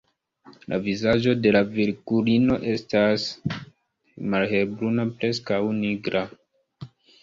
La vizaĝo de la Virgulino estas malhelbruna, preskaŭ nigra.